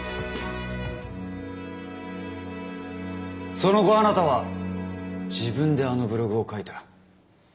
その後あなたは自分であのブログを書いた。